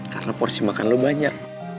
karena porsi makan lu banyak